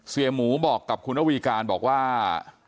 หมูบอกกับคุณระวีการบอกว่า